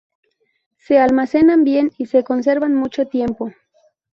Se almacenan bien y se conservan mucho tiempo.